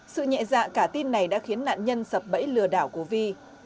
sự nhẹ dạ cả tin này đã khiến nạn nhân sập bẫy lừa đảo của vi